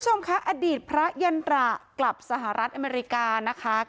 คุณผู้ชมคะอดีตพระยันตระกลับสหรัฐอเมริกานะคะ